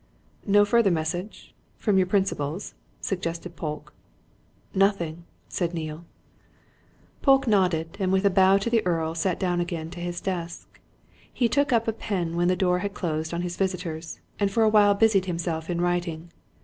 "No further message from your principals?" suggested Polke. "Nothing," said Neale. Polke nodded, and with a bow to the Earl sat down again to his desk. He took up a pen when the door had closed on his visitors, and for a while busied himself in writing.